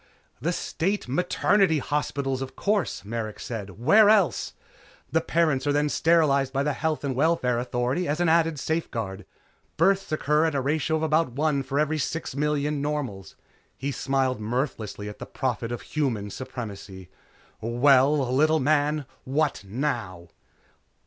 "The State maternity hospitals, of course," Merrick said, "Where else? The parents are then sterilized by the Health and Welfare Authority as an added safeguard. Births occur at a ratio of about one for every six million normals." He smiled mirthlessly at the Prophet of Human Supremacy. "Well? Little man, what now?"